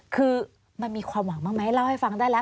คือมันมีความหวังบ้างไหมเล่าให้ฟังได้แล้ว